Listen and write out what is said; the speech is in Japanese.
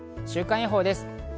週間予報です。